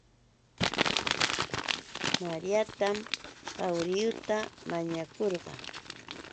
Mariatam awhariieuta mañakurqaa